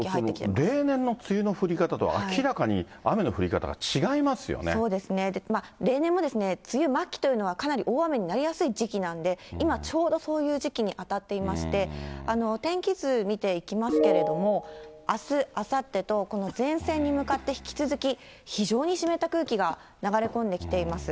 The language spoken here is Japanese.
ちょっと例年の梅雨の降り方とは、明らかに雨の降り方が違いそうですよね、例年も、梅雨末期というのは、かなり大雨になりやすい時期なんで、今ちょうどそういう時期に当たっていまして、天気図を見ていきますけれども、あす、あさってと、この前線に向かって引き続き非常に湿った空気が流れ込んできています。